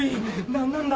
何なんだ？